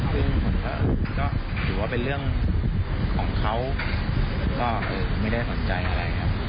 คือเหมือนก็อาจจะเป็นเรื่องของเขาก็ไม่ได้สนใจอะไรอ่ะ